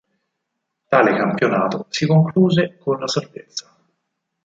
Tale campionato si concluse con la salvezza.